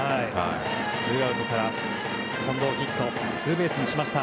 ツーアウトから近藤がツーベースにしました。